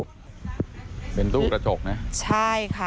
เป็นตู้กระจกนะใช่ค่ะ